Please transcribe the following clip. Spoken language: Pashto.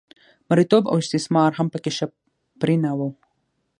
مریتوب او استثمار هم په کې ښه پرېنه و